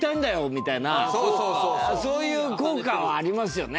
みたいなそういう効果はありますよね！